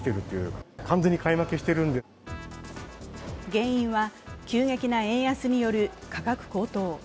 原因は急激な円安による価格高騰。